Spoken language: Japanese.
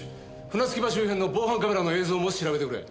船着き場周辺の防犯カメラの映像も調べてくれ。